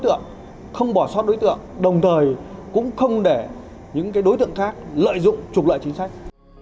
tượng không bỏ sót đối tượng đồng thời cũng không để những đối tượng khác lợi dụng trục lợi chính sách